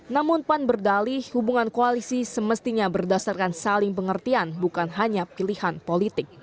namun pan berdali hubungan koalisi semestinya berdasarkan saling pengertian bukan hanya pilihan politik